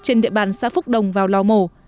trên địa bàn xã phúc đồng vào lò mổ